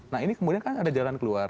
nah ini kemudian kan ada jalan keluar